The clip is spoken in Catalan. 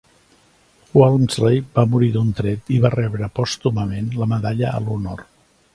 Walmsley va morir d'un tret i va rebre pòstumament la Medalla a l'Honor.